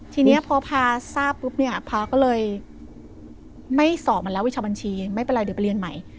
ทีนี้พอพาทราบปุ๊บเนี่ยพาก็เลยไม่สอบมาแล้ววิชาบัญชีไม่เป็นไรเดี๋ยวไปเรียนใหม่